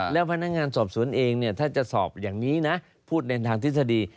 แล้วพนักงานสอบสวนเองเนี่ยถ้าจะสอบอย่างนี้นะพูดในทางทฤษฎี